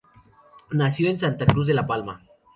Nació en Santa Cruz de La Palma.